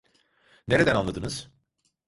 Nereden anladınız?